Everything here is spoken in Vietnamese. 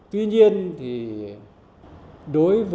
tuy nhiên đối với